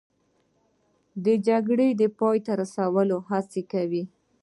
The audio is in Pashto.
د جګړې د پای ته رسولو هڅه کوي